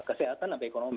kesehatan atau ekonomi